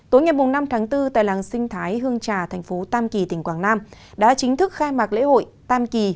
tối ngày năm tháng bốn tại làng sinh thái hương trà thành phố tam kỳ tỉnh quảng nam đã chính thức khai mạc lễ hội tam kỳ